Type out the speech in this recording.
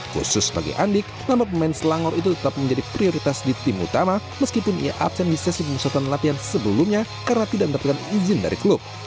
khusus bagi andik nama pemain selangor itu tetap menjadi prioritas di tim utama meskipun ia absen di sesi pengusatan latihan sebelumnya karena tidak mendapatkan izin dari klub